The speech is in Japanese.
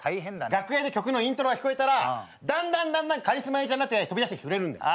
楽屋で曲のイントロが聞こえたらだんだんだんだんカリスマ永ちゃんになって飛び出してきてくれるんだよ。